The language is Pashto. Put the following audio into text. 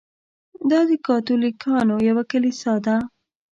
دا د کاتولیکانو یوه کلیسا ده.